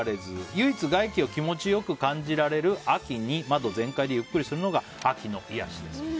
唯一外気を気持ちよく感じられる秋に窓全開でゆっくりするのが秋の癒やしです。